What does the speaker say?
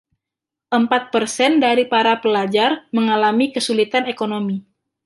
Empat persen dari para pelajar mengalami kesulitan ekonomi.